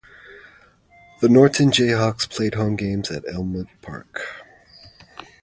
The Norton Jayhawks played home games at Elmwood Park.